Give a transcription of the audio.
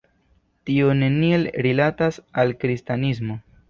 Tio neniel rilatas al kristanismo.